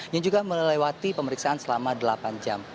yang juga melewati pemeriksaan selama delapan jam